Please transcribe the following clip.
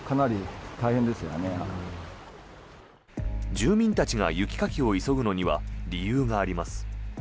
住民たちが雪かきを急ぐのには理由があります。